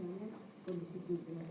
oh baru di mana